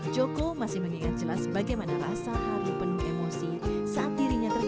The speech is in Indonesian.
joko masih mengingat jelas bagaimana rasa haru penuh emosi saat dirinya terpilih